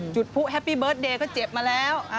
จุดผู้แฮปปี้เบิร์ตเดย์ก็เจ็บมาแล้ว